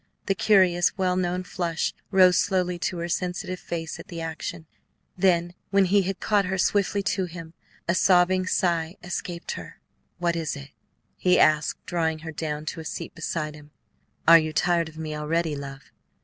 The curious, well known flush rose slowly to her sensitive face at the action; when he had caught her swiftly to him, a sobbing sigh escaped her. "What is it?" he asked, drawing her down to a seat beside him. "Are you tired of me already, love?"